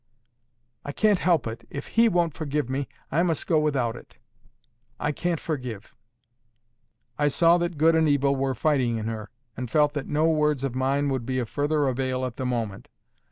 "I can't help it. If He won't forgive me, I must go without it. I can't forgive." I saw that good and evil were fighting in her, and felt that no words of mine could be of further avail at the moment.